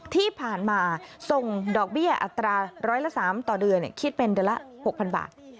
ที่ผ่านมาส่งดอกเบี้ยอัตราร้อยละ๓ต่อเดือนคิดเป็นเดือนละ๖๐๐บาท